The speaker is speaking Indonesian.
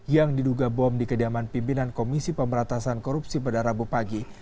yang diduga bom di kediaman pimpinan komisi pemberatasan korupsi pada rabu pagi